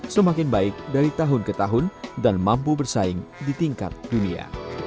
semakin baik dari tahun ke tahun dan mampu bersaing di tingkat dunia